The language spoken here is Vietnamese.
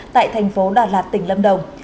tại thành phố đà lạt tỉnh lâm đồng